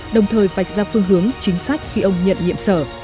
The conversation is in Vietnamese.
đồng thời vạch ra phương hướng chính sách khi ông nhận nhiệm sở